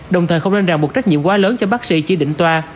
đồng thời không nên ràng một trách nhiệm quá lớn cho bác sĩ chỉ định toa